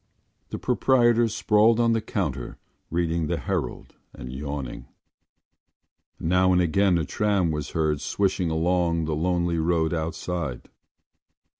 The proprietor sprawled on the counter reading the Herald and yawning. Now and again a tram was heard swishing along the lonely road outside.